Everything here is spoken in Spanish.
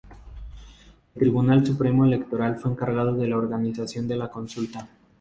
El Tribunal Supremo Electoral fue encargado de la organización de la consulta.